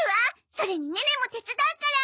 それにネネも手伝うから。